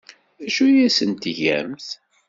D acu ay asent-tgamt?